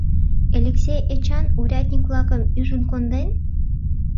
— Элексей Эчан урядник-влакым ӱжын конден?